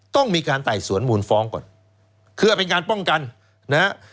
ต้องมีการไต่สวนมูลฟ้องก่อนเพื่อเป็นการป้องกันนะฮะ